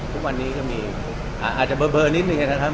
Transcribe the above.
ทุกวันนี้ก็มีอาจจะเบอร์นิดหนึ่งนะครับ